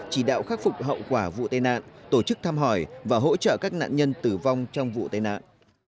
chỉ đạo khắc phục hậu quả vụ tai nạn tổ chức thăm hỏi và hỗ trợ các nạn nhân tử vong trong vụ tai nạn